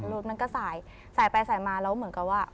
รถมันก็สายสายไปสายมาแล้วเหมือนกับว่า